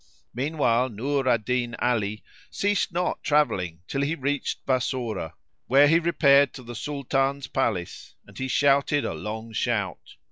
Meanwhile, Nur al Din Ali ceased not travelling till he reached Bassorah, where he repaired to the Sultan's palace and he shouted a loud shout.